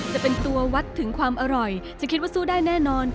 จะเป็นตัววัดถึงความอร่อยจะคิดว่าสู้ได้แน่นอน